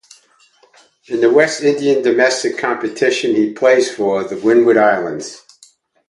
In the West Indian domestic competitions he plays for the Windward Islands.